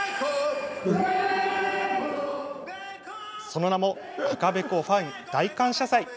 その名も赤べこファン大感謝祭。